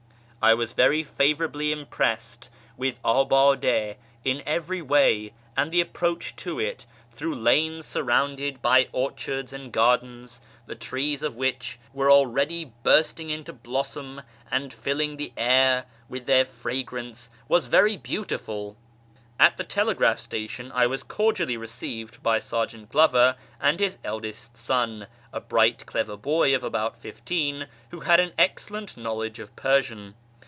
I was very favourably impressed with Abade in every way, and the approach to it, through lanes surrounded by orchards and gardens, the trees of which were already bursting into blossom and filling the air with their fragrance, was very beautiful. At the telegraph station I was cordially received by Sergeant Glover and his eldest son, a bright, clever boy of about fifteen, who had an excellent knowledge of Persian.